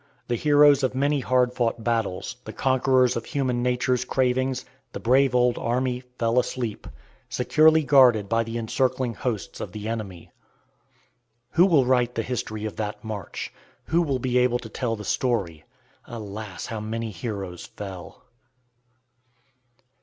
The heroes of many hard fought battles, the conquerors of human nature's cravings, the brave old army, fell asleep securely guarded by the encircling hosts of the enemy. Who will write the history of that march? Who will be able to tell the story? Alas! how many heroes fell!